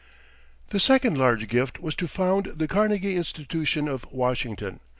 ] The second large gift was to found the Carnegie Institution of Washington.